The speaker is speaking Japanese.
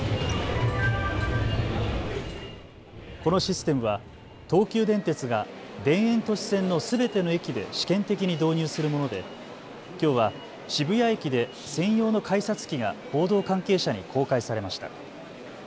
このシステムは東急電鉄が田園都市線のすべての駅で試験的に導入するものできょうは渋谷駅で専用の改札機が報道関係者に公開されました。